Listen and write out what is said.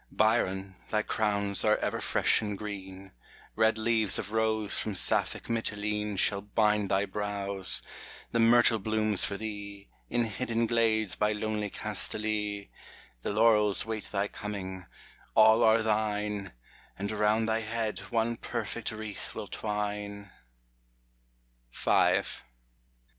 Byron, thy crowns are ever fresh and green : Red leaves of rose from Sapphic Mitylene Shall bind thy brows ; the myrtle blooms for thee, In hidden glades by lonely Castaly ; The laurels wait thy coming : all are thine, And round thy head one perfect wreath will twine.